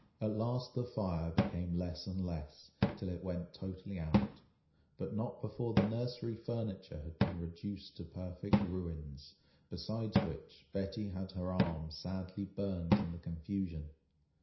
At last the fire became less and less, till it went totally out, but not before the nursery furniture had been reduced to perfect ruins, besides which, Betty had her arm sadly burned in the confusion.